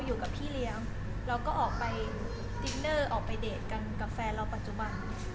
อยู่กับพี่เลี้ยงเราก็ออกไปดินเนอร์ออกไปเดทกันกับแฟนเราปัจจุบัน